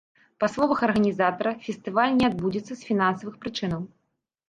Па словах арганізатара, фестываль не адбудзецца з фінансавых прычынаў.